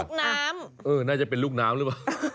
ลูกน้ำเออน่าจะเป็นลูกน้ำหรือเปล่า